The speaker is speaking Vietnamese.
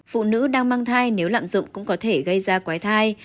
phụ nữ đang mang thai nếu lạm dụng cũng có thể gây ra quái thai